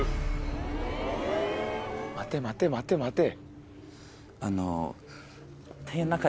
待て待て待て待て。